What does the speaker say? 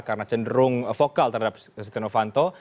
karena cenderung vokal terhadap setianowanto